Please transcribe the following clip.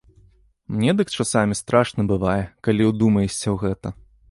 Мне дык часамі страшна бывае, калі ўдумаешся ў гэта.